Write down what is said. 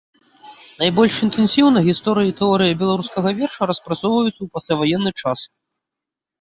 Найбольш інтэнсіўна гісторыя і тэорыя беларускага верша распрацоўваюцца ў пасляваенны час.